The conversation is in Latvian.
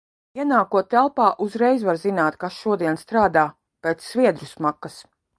Ienākot telpā, uzreiz var zināt, kas šodien strādā - pēc sviedru smakas.